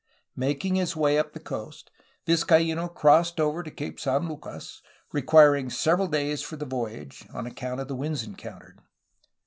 Making his way up the coast, Vizcaino crossed over to Cape San Lucas, requiring several days for the voyage, on account of the winds encountered.